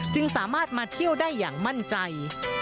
จึงสามารถมาเที่ยวได้อย่างมั่นใจ